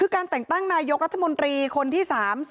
คือการแต่งตั้งนายกรัฐมนตรีคนที่๓๐